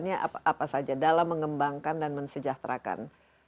ini apa saja dalam mengembangkan dan mensejahterakan